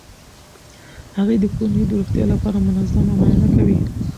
هغې د کورنۍ د روغتیا لپاره منظمه معاینه کوي.